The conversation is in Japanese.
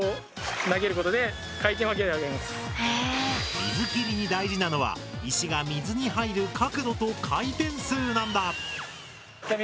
水切りに大事なのは石が水に入る角度と回転数なんだ。